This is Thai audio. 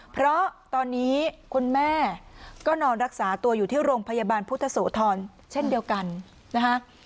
เพราะตอนนี้คุณแม่ก็นอนรักษาตัวอยู่ที่โรงพยาบาลพุทธโสธรเช่นเดียวกันนะคะ